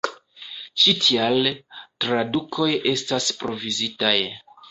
Ĉi tial, tradukoj estas provizitaj.